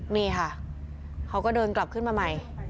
นี่ค่ะเขาก็เดินกลับขึ้นมาใหม่